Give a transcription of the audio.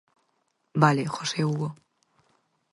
Vale, José Hugo.